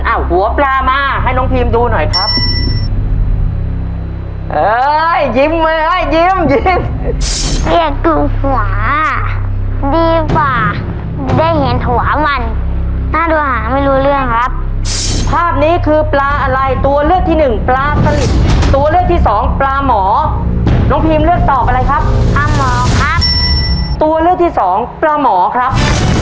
อ่ะหัวปลามาให้น้องพิมป์ดูหน่อยครับ